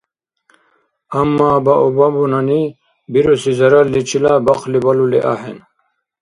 Амма баобабунани бируси заралличила бахъли балули ахӀен